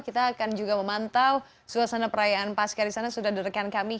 kita akan juga memantau suasana perayaan pasca di sana sudah di rekan kami